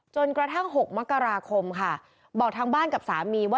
จนกระทั่ง๖มกราคมค่ะบอกทางบ้านกับสามีว่า